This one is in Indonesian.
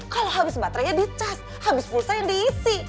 kalau habis baterainya dicas habis pulsa yang diisi